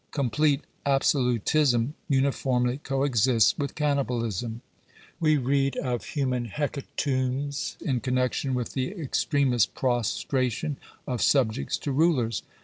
Complete abso lutism uniformly co exists with cannibalism. We read of human hecatombs in connection with the extremest prostration of subjects to rulers.